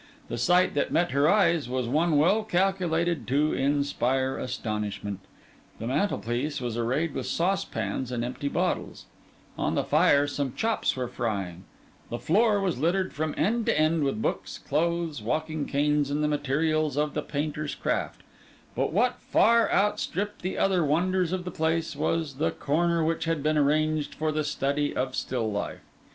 The sight that met her eyes was one well calculated to inspire astonishment. The mantelpiece was arrayed with saucepans and empty bottles; on the fire some chops were frying; the floor was littered from end to end with books, clothes, walking canes and the materials of the painter's craft; but what far outstripped the other wonders of the place was the corner which had been arranged for the study of still life.